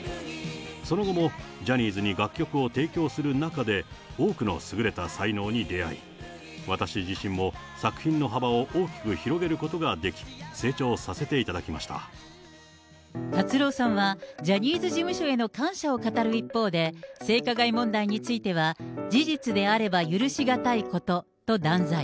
その後もジャニーズに楽曲を提供する中で、多くのすぐれた才能に出会い、私自身も作品の幅を大きく広げることができ、成長させていただき達郎さんは、ジャニーズ事務所への感謝を語る一方で、性加害問題については、事実であれば許し難いことと断罪。